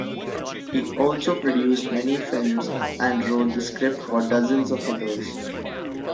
He also produced many films and wrote the scripts for dozens of others.